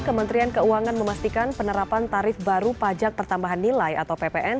kementerian keuangan memastikan penerapan tarif baru pajak pertambahan nilai atau ppn